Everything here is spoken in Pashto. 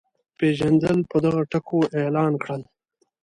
پېژندل په دغو ټکو اعلان کړل.